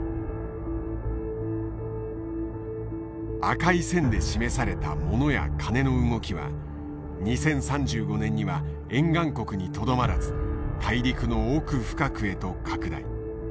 赤い線で示されたモノやカネの動きは２０３５年には沿岸国にとどまらず大陸の奥深くへと拡大。